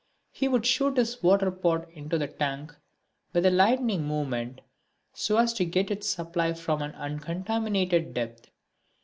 He would shoot his water pot into the tank with a lightning movement so as to get his supply from an uncontaminated depth.